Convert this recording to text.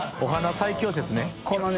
最強説ね。